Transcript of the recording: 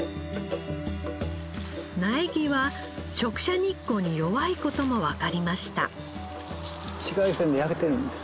苗木は直射日光に弱い事もわかりました。